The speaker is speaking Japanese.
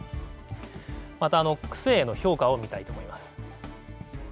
また、区政への評価を見たいと思います。